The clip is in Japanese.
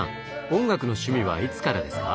音楽の趣味はいつからですか？